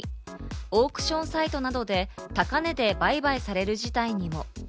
オークションサイトなどで高値で売買される事態にも。